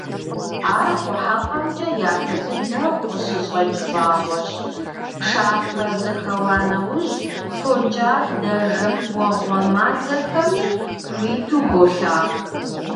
Ар Къухьэпӏэмкӏэ япэ дыдэу къыщыщӏэкӏ вагъуэщ, пшапэ зэхэуа нэужь, фокӏадэ-жэпуэгъуэ мазэхэми хуиту болъагъу.